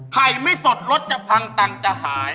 ใครไม่สดรถจะพังตังจะหาย